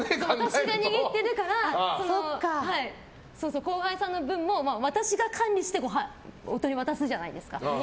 私が握ってるから後輩さんの分も私が管理して夫に渡すじゃないですか。